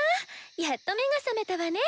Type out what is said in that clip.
やっと目が覚めたわね